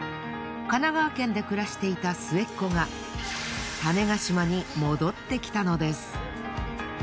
神奈川県で暮らしていた末っ子が種子島に戻ってきたのです。